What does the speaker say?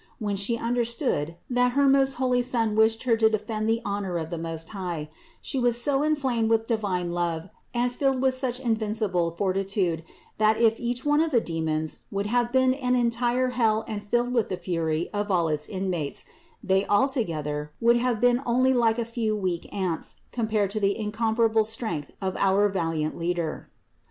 When She understood, that her most holy Son wished Her to defend the honor of the Most High, She was so inflamed with divine love and filled with such in vincible fortitude, that, if each one of the demons would have been an entire hell and filled with the fury of all its inmates, they altogether would have been only like a few weak ants, compared to the incomparable strength of this our valiant Leader.